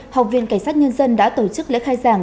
học viện cảnh sát nhân dân đã tổ chức lễ khai giảng